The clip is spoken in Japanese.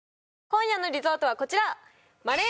今夜のリゾートはこちら！